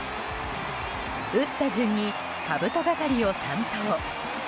打った順に、かぶと係を担当。